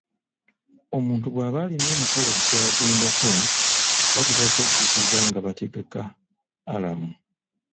Omuntu bw'aba alina omukolo gw'agendako, batera okwejjukiza nga bategeka alamu.